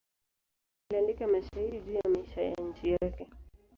Hasa aliandika mashairi juu ya maisha ya nchi yake.